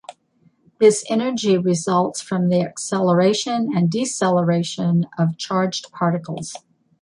This energy results from the acceleration and deceleration of charged particles.